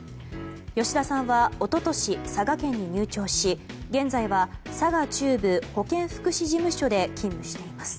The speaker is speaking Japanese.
吉田さんは一昨年佐賀県に入庁し現在は佐賀中部保健福祉事務所で勤務しています。